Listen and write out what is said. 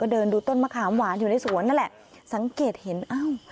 เดินดูต้นมะขามหวานอยู่ในสวนนั่นแหละสังเกตเห็นอ้าว